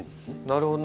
なるほど。